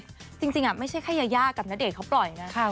จริงไม่ใช่แค่ยายากับณเดชนเขาปล่อยนะ